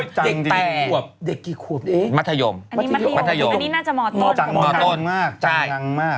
จังดีควบเด็กกี่ควบนี้มัธยมมัธยมอันนี้น่าจะหมอต้นหมอต้นจังหลังมาก